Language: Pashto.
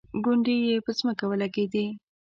ګونډې یې په ځمکه ولګېدې.